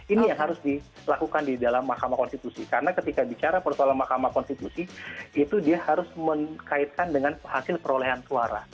ini yang harus dilakukan di dalam mahkamah konstitusi karena ketika bicara persoalan mahkamah konstitusi itu dia harus mengkaitkan dengan hasil perolehan suara